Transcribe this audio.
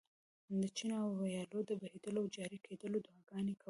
د چینو او ویالو د بهېدلو او جاري کېدلو دعاګانې کولې.